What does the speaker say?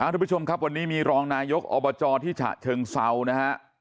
ทุกผู้ชมครับวันนี้มีรองนายกอบจที่ฉะเชิงเซานะฮะ